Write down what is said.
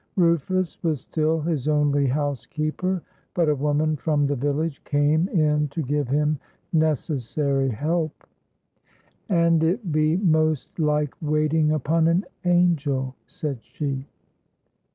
Rufus was still his only housekeeper, but a woman from the village came in to give him necessary help. "And it be 'most like waiting upon a angel," said she.